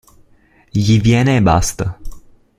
Gli viene e basta.